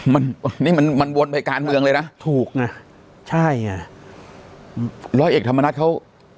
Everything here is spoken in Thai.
มันนี่มันมันวนไปการเมืองเลยนะถูกไงใช่ไงร้อยเอกธรรมนัฐเขา